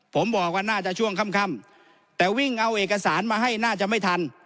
ผมบอกว่าน่าจะช่วงค่ำแต่วิ่งเอาเอกสารมาให้น่าจะไม่ทัน